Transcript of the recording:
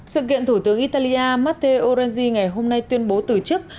sự kiện thủ tướng italia matteo renzi ngày hôm nay tuyên bố từ chức